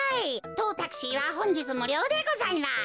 とうタクシーはほんじつむりょうでございます。